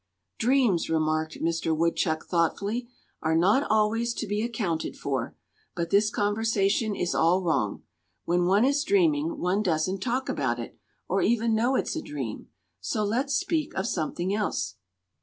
"Dreams," remarked Mister Woodchuck, thoughtfully, "are not always to be accounted for. But this conversation is all wrong. When one is dreaming one doesn't talk about it, or even know it's a dream. So let's speak of something else."